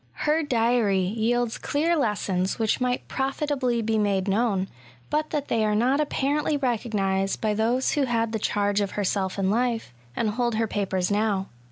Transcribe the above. Her diary yields clear lessons which might profitably be made known, but that they are not apparently recognised by those who had, the charge of herself in life, and hold her papers now.